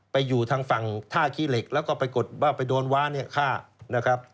ไปอยู่ทางฝั่งท่าขี้เหล็กแล้วก็ปรากฏว่าไปโดนว้าเนี่ยฆ่านะครับ